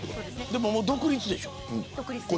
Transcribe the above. でも独立でしょ。